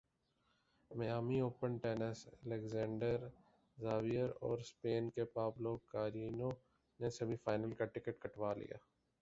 Miami Open tennis Alexander Zverev اورسپین کے Pablo Carreno نے سیمی فائنل کا ٹکٹ کٹوا لیا